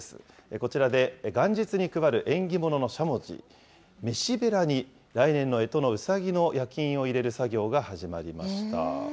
こちらで元日に配る縁起物のしゃもじ、飯べらに、来年のえとのうさぎの焼き印を入れる作業が始まりました。